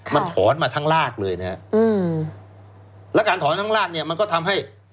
มันถอนมาทั้งลากเลยนะฮะอืมแล้วการถอนทั้งลากเนี่ยมันก็ทำให้